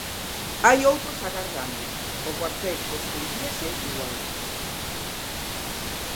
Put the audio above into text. Hai outros agardando, o cuartel construiríase igual.